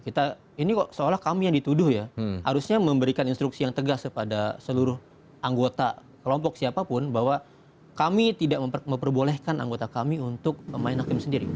kita ini kok seolah kami yang dituduh ya harusnya memberikan instruksi yang tegas kepada seluruh anggota kelompok siapapun bahwa kami tidak memperbolehkan anggota kami untuk main hakim sendiri